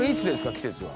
季節は。